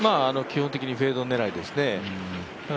基本的にフェード狙いですね。